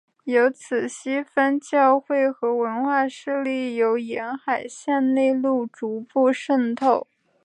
由此西方教会和文化势力由沿海向内陆逐步渗透。